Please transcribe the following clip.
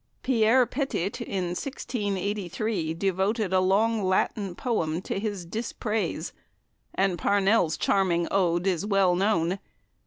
Pierre Petit, in 1683, devoted a long Latin poem to his dis praise, and Parnell's charming Ode is well known.